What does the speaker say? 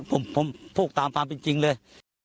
ผมพูดตามเป็นจริงเลย